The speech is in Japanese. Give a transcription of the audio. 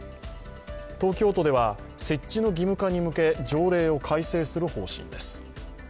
東京都では、設置の義務化に向け条例を改正する方針です。